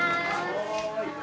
はい。